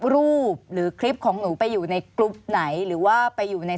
รูปหรือคลิปของหนูไปอยู่ในกรุ๊ปไหนหรือว่าไปอยู่ใน